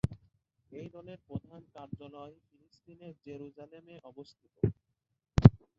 এই দলের প্রধান কার্যালয় ফিলিস্তিনের জেরুসালেমে অবস্থিত।